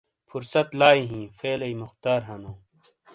فرصت لائی ہِیں، فعلئی مختار ہنو۔